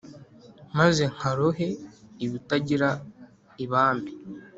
maze nkarohe ibutagira ibambe